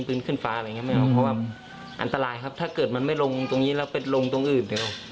เพราะว่าอันตรายครับถ้าเกิดมันไม่ลงตรงนี้แล้วเป็นลงตรงอื่น